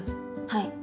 はい。